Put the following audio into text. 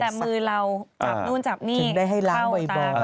แต่มือเราจับนู่นจับนี่เพื่อให้ล้างบ่อย